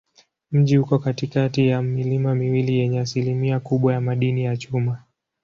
Mji uko katikati ya milima miwili yenye asilimia kubwa ya madini ya chuma.